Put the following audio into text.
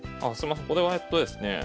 これはえっとですね